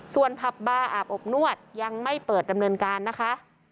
ส่วนผับบาร์อาบอบนวดยังไม่เปิดดำเนินการนะคะ